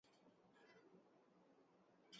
میں اپنی یادداشت کے صفحوں پر نقش تحریر کرتاچلا گیا